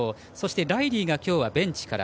ライリーはベンチから。